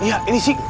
iya ini sih